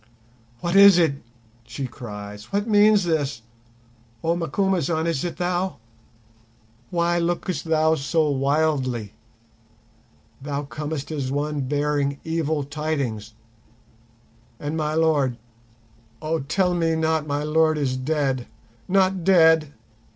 "Who is it?" she cries. "What means this? Oh, Macumazahn, is it thou? Why lookest thou so wildly? Thou comest as one bearing evil tidings—and my lord—oh, tell me not my lord is dead—not dead!"